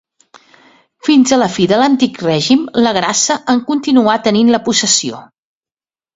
Fins a la fi de l'Antic Règim la Grassa en continuà tenint la possessió.